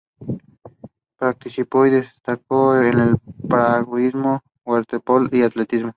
Practicó y destacó en Piragüismo, Waterpolo y Atletismo.